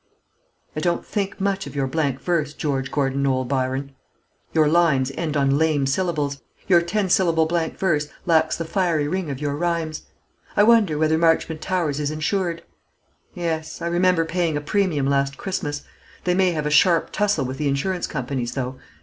I don't think much of your blank verse, George Gordon Noel Byron. Your lines end on lame syllables; your ten syllable blank verse lacks the fiery ring of your rhymes. I wonder whether Marchmont Towers is insured? Yes, I remember paying a premium last Christmas. They may have a sharp tussle with the insurance companies though.